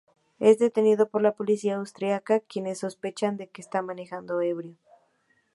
Es detenido por la policía austriaca, quienes sospechan de que está manejando ebrio.